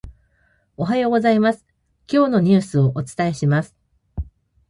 おはようございます、今日のニュースをお伝えします。